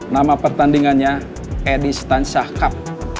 nama pertandingannya edi stansyah cup